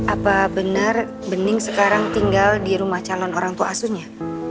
apa benar bening sekarang tinggal di rumah calon orang tua asuhnya